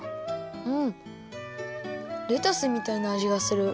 うんレタスみたいなあじがする。